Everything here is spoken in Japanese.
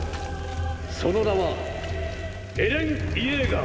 その名はエレン・イェーガー。